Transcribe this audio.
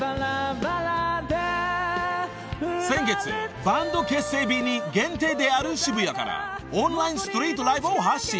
［先月バンド結成日に原点である渋谷からオンラインストリートライブを発信］